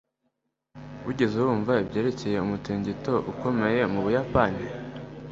Wigeze wumva ibyerekeye umutingito ukomeye mu Buyapani?